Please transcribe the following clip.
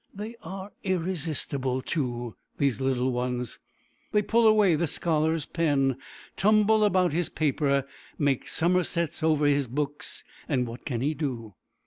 They are irresistible, too, these little ones. They pull away the scholar's pen, tumble about his paper, make somersets over his books; and what can he do?